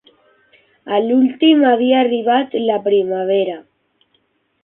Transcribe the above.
A l'últim havia arribat la primavera